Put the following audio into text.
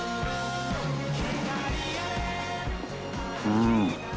うん。